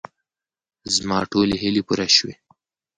زما ټولې هیلې پوره شوې.